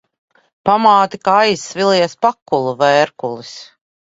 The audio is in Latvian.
Pamāte kā aizsvilis pakulu vērkulis.